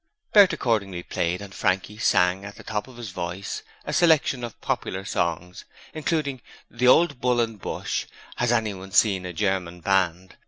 Bert accordingly played, and Frankie sang at the top of his voice a selection of popular songs, including 'The Old Bull and Bush', 'Has Anyone seen a German Band?'